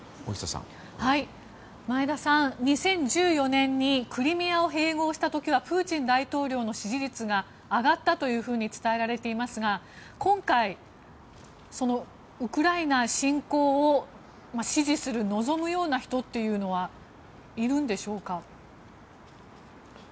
前田さん、２０１４年にクリミアを併合した時はプーチン大統領の支持率が上がったというふうに伝えられていますが今回、ウクライナ侵攻を支持する、望むような人というのはいるんでしょうか？